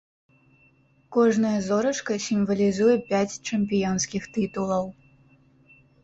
Кожная зорачка сімвалізуе пяць чэмпіёнскіх тытулаў.